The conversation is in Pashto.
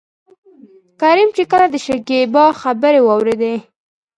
کريم چې کله دشکيبا خبرې واورېدې.